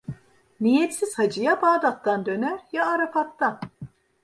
Niyetsiz hacı, ya Bağdat'tan döner ya Arafat'tan.